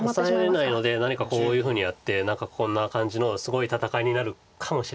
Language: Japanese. オサえれないので何かこういうふうにやってこんな感じのすごい戦いになるかもしれません。